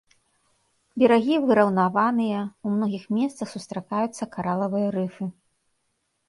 Берагі выраўнаваныя, у многіх месцах сустракаюцца каралавыя рыфы.